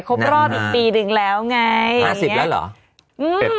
ครบรอบอีกปีหนึ่งแล้วไงอย่างนี้นะครับเอสสันพี๕๐แล้วเหรอ